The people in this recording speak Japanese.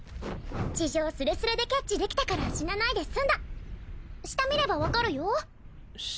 地上すれすれでキャッチできたから死なないで済んだ下見れば分かるよ下？